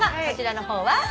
こちらの方は。